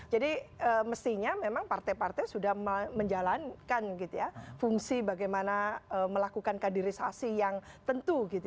jadi mestinya memang partai partai sudah menjalankan fungsi bagaimana melakukan kaderisasi yang tentu